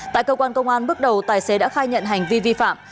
tại cơ quan công an bước đầu tài xế đã khai nhận hành vi vi phạm